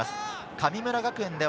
神村学園は